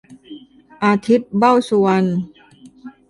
อาทิตย์ เบ้าสุวรรณ